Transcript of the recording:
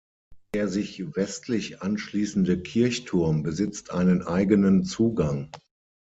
Der sich westlich anschließende Kirchturm besitzt einen eigenen Zugang.